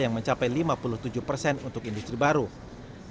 yang mencapai lima puluh tujuh persen untuk industri baru